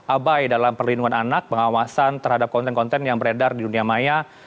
abai dalam perlindungan anak pengawasan terhadap konten konten yang beredar di dunia maya